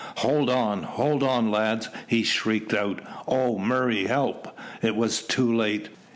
"Hold on! hold on, lads!" he shrieked out; "oh, Murray, help!" It was too late.